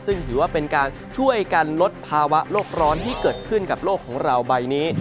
ซึ่งถือว่าเป็นการช่วยกันลดภาวะโลกร้อนที่เกิดขึ้นกับโลกของเราใบนี้